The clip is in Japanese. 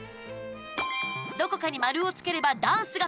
どこかに丸をつければダンスが止まります。